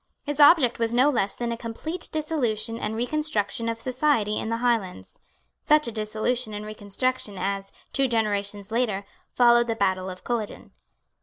His object was no less than a complete dissolution and reconstruction of society in the Highlands, such a dissolution and reconstruction as, two generations later, followed the battle of Culloden.